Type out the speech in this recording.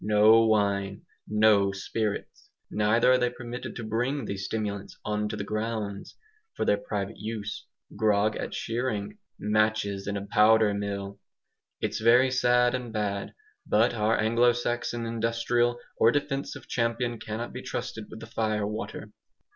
No wine, no spirits! Neither are they permitted to bring these stimulants "on to the grounds" for their private use. Grog at shearing? Matches in a powder mill! It's very sad and bad; but our Anglo Saxon industrial or defensive champion cannot be trusted with the fire water.